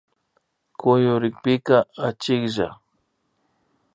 Kuyurikpika achiklla